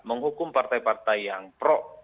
menghukum partai partai yang pro